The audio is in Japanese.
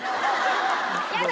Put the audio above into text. やだ！